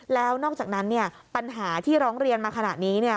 แล้วนอกจากนั้นเนี่ยปัญหาที่ร้องเรียนมาขณะนี้เนี่ย